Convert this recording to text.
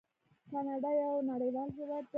کاناډا یو نړیوال هیواد دی.